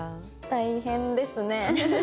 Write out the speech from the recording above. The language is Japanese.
大変ですね。